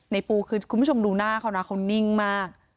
ปูคือคุณผู้ชมดูหน้าเขานะเขานิ่งมาก